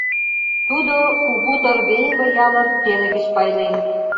Тудо кугу Торбеево ялым пеле гыч пайлен.